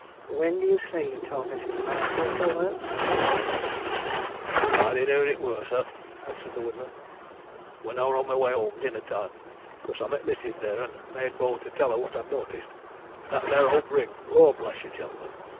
"When do you say you told Mrs. Mallathorpe all that?" asked Pratt. "Friday noon it were, sir," answered the woodman. "When I were on my way home dinner time. 'Cause I met the missis here, and I made bold to tell her what I'd noticed. That there owd brig! lor' bless yer, gentlemen!